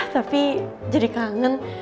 tapi jadi kangen